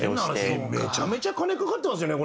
変な話めちゃめちゃ金かかってますよね